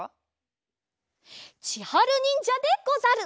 ちはるにんじゃでござる。